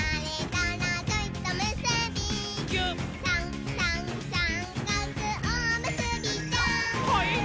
「さんさんさんかくおむすびちゃん」はいっ！